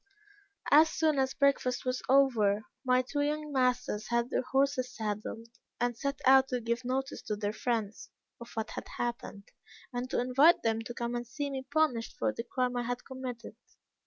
"As soon as breakfast was over, my two young masters had their horses saddled, and set out to give notice to their friends of what had happened, and to invite them to come and see me punished for the crime I had committed.